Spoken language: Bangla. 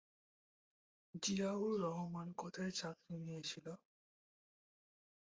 জিয়াউর রহমান কোথায় চাকরি নিয়েছিল?